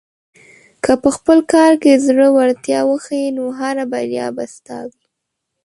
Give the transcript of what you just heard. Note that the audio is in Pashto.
که په خپل کار کې زړۀ ورتیا وښیې، نو هره بریا به ستا وي.